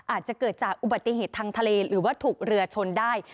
อาจจะเกิดจากอุบัติเหตุทางทะเลหรือว่าถูกเรือชนได้